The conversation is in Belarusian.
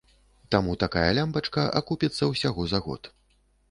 Таму такая лямпачка акупіцца ўсяго за год.